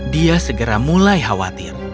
dia segera mulai khawatir